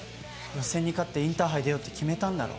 予選に勝ってインターハイに出ようって決めたんだろ。